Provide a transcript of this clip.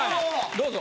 どうぞ。